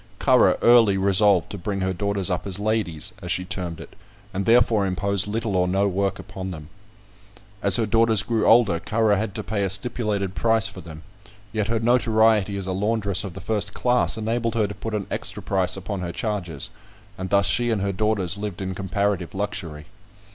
Currer early resolved to bring her daughters up as ladies, as she termed it, and therefore imposed little or no work upon them. As her daughters grew older, Currer had to pay a stipulated price for them; yet her notoriety as a laundress of the first class enabled her to put an extra price upon her charges, and thus she and her daughters lived in comparative luxury.